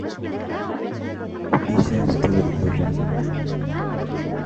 وَأَيْسَرُ تَبَذُّلًا